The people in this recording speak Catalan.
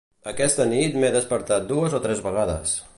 Aquesta nit m'he despertat dues o tres vegades.